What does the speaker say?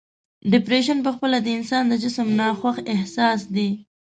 ډپریشن په خپله د انسان د جسم ناخوښ احساس دی.